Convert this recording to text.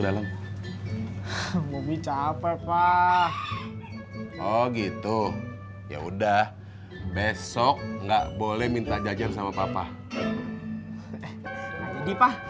dalam mau bicara papa oh gitu ya udah besok nggak boleh minta jajan sama papa jadi pak